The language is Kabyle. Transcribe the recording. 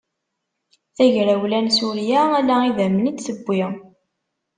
Tagrawla n Surya ala idammen i d-tewwi.